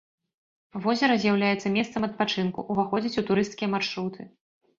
Возера з'яўляецца месцам адпачынку, уваходзіць у турысцкія маршруты.